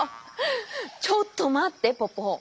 ちょっとまってポポ！